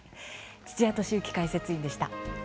土屋敏之解説委員でした。